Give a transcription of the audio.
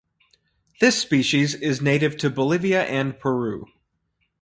This species is native to Bolivia and Peru.